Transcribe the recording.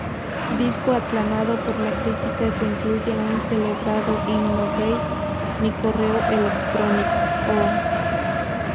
Disco aclamado por la crítica que incluye un celebrado himno gay "Mi correo electrónic...oh!